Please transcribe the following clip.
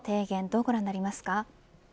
どうご覧になりますか。